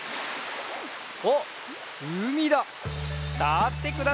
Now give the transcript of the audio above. あっうみだ！